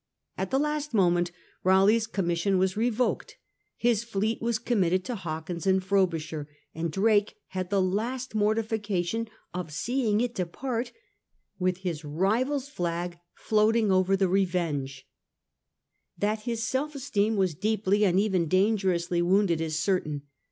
At the last moment Raleigh's commission was revoked, his fleet was committed to Hawkins and Frobisher, and Drake had the last, mortification of seeing it depart with his rivaFs flag floating over the Revenge, That his self esteem was deeply and even dangerously wounded is certain.